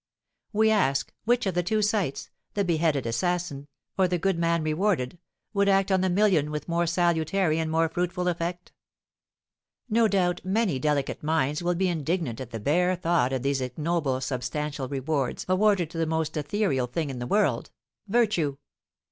We ask, which of the two sights the beheaded assassin, or the good man rewarded would act on the million with more salutary and more fruitful effect? No doubt many delicate minds will be indignant at the bare thought of these ignoble substantial rewards awarded to the most ethereal thing in the world, Virtue!